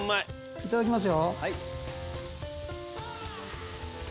いただきます。